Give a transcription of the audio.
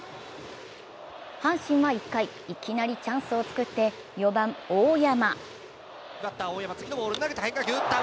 阪神は１回、いきなりチャンスを作って４番・大山。